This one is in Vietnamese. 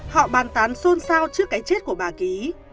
họ bàn tán xôn xao trước cái chết của bà ký